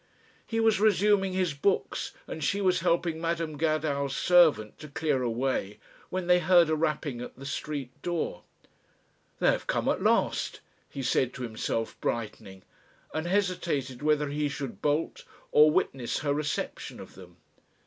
He was resuming his books and she was helping Madam Gadow's servant to clear away, when they heard a rapping at the street door. "They have come at last," he said to himself brightening, and hesitated whether he should bolt or witness her reception of them.